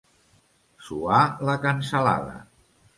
Suar la cansalada.